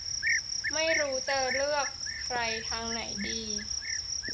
ไม่รู้จะเลือกใครทางไหนดี